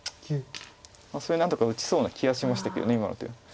何とか打ちそうな気がしましたけど今の手。